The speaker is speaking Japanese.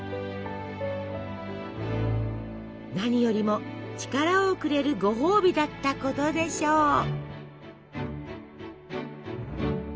何よりも力をくれるごほうびだったことでしょう。